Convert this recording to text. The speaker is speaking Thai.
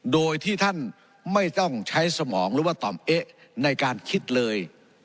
โดยที่ท่านไม่ต้องใช้สมองหรือว่าต่อมเอ๊ะในการคิดเลย